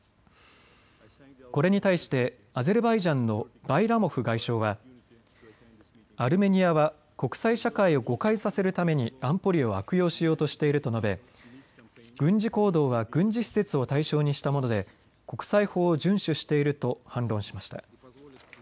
これに対してアゼルバイジャンのバイラモフ外相はアルメニアは国際社会を誤解させるために安保理を悪用しようとしていると述べ軍事行動は軍事施設を対象にしたもので国際法を順守していると反論しました。